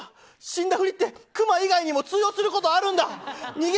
死んだふりってクマ以外にも通用することあるんだ。